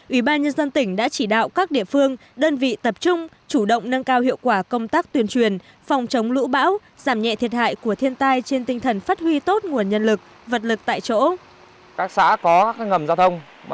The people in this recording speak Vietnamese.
ủy ban nhân dân tỉnh đã chỉ đạo các địa phương đơn vị tập trung chủ động nâng cao hiệu quả công tác tuyên truyền phòng chống lũ bão giảm nhẹ thiệt hại của thiên tai trên tinh thần phát huy tốt nguồn nhân lực vật lực tại chỗ